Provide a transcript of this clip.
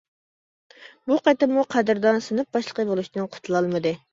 بۇ قېتىممۇ قەدىردان سىنىپ باشلىقى بولۇشتىن قۇتۇلالمىدى.